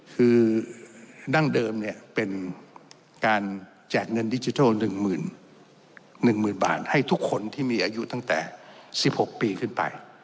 คือดั้งเดิมเป็นการแจกเงินดิจิทัล๑๐๐๐บาทให้ทุกคนที่มีอายุตั้งแต่๑๖ปีขึ้นไป